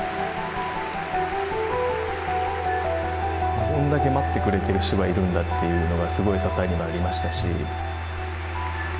こんだけ待ってくれてる人がいるんだっていうのがすごい支えになりましたし。